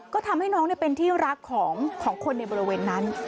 ก็ทำให้น้องเป็นที่รักของคนในบริเวณนั้น